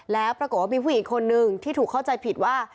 แล้วปรากฏว่ามีผู้หญิงคนนึงที่ถูกเข้าใจผิดว่า